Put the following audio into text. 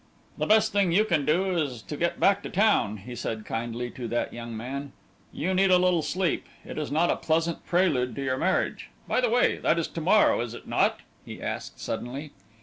"The best thing you can do is to get back to town," he said kindly to that young man; "you need a little sleep. It is not a pleasant prelude to your marriage. By the way, that is to morrow, is it not?" he asked, suddenly.